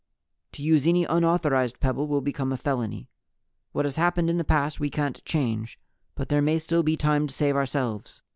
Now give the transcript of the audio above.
To use any unauthorized pebble will become a felony. What has happened in the past we can't change, but there may still be time to save ourselves.